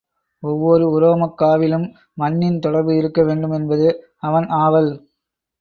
ஒவ்வோர் உரோமக் காவிலும் மண்ணின் தொடர்பு இருக்க வேண்டும் என்பது அவன் ஆவல்.